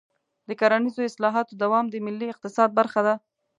د کرنیزو اصلاحاتو دوام د ملي اقتصاد برخه ده.